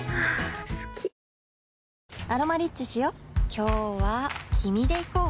今日は君で行こう